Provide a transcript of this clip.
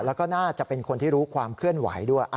แล้วก็น่าจะเป็นคนที่รู้ความเคลื่อนไหวด้วย